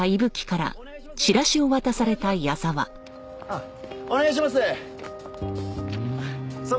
あっお願いします！